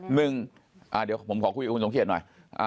หนึ่งเดี๋ยวผมขอคุยกับคุณสมเกียจหน่อย